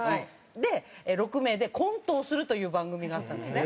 で６名でコントをするという番組があったんですね。